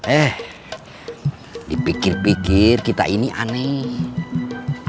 eh dipikir pikir kita ini aneh